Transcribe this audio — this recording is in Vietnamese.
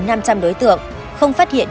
không phát hiện đối tượng hình sự tệ nạn xã hội